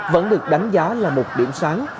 vẫn được đánh giá là một điểm sáng